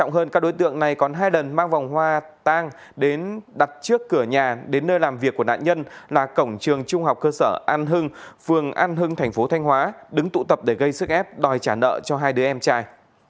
huy đang đặt trước cửa nhà đến nơi làm việc của nạn nhân là cổng trường trung học cơ sở an hưng vườn an hưng thành phố thanh hóa đứng tụ tập để gây sức ép đòi trả nợ cho hai đứa em trai